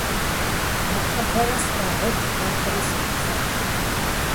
Нэхъыбэрэ слъагъуху, нэхъри сыхуэзэшт.